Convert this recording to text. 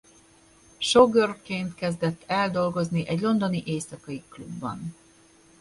Showgirl-ként kezdett el dolgozni egy londoni éjszakai klubban.